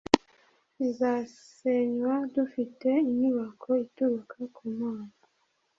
izasenywa dufite inyubako ituruka ku mana